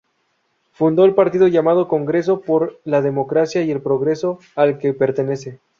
Fundó el partido llamado Congreso por la Democracia y el Progreso, al que pertenece.